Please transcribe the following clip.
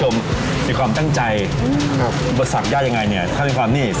มีความตั้งใจบริษัทย่ายังไงมีความนี่